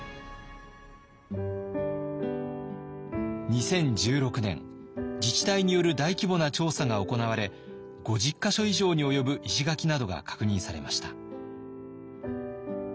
２０１６年自治体による大規模な調査が行われ５０か所以上に及ぶ石垣などが確認されました。